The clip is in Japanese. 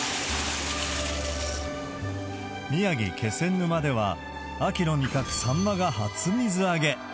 宮城・気仙沼では、秋の味覚、サンマが初水揚げ。